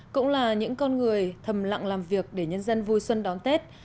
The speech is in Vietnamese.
cũng là những con người thầm lặng làm việc để nhân dân vui xuân đón tết